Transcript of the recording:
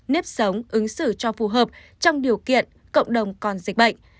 nếp sống ứng xử cho phù hợp trong điều kiện cộng đồng còn dịch bệnh